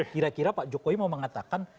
kira kira pak jokowi mau mengatakan